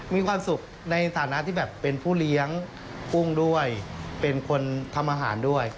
มีความสุขในฐานะที่แบบเป็นผู้เลี้ยงกุ้งด้วยเป็นคนทำอาหารด้วย